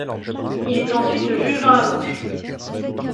Il est ensuite juge dans la Manche.